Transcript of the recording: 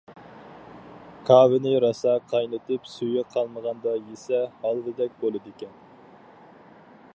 كاۋىنى راسا قاينىتىپ سۈيى قالمىغاندا يېسە ھالۋىدەك بولىدىكەن.